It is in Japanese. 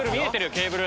ケーブル」